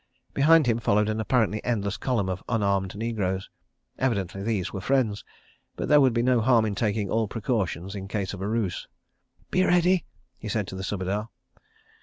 Behind him followed an apparently endless column of unarmed negroes. Evidently these were friends—but there would be no harm in taking all precautions in case of a ruse. "Be ready," he said to the Subedar.